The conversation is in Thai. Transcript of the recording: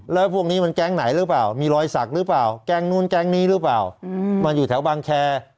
แล้วพวกนี้มันแก๊งไหนหรือเปล่ามีรอยสักหรือเปล่าแก๊งนู้นแก๊งนี้หรือเปล่ามันอยู่แถวบางแคร์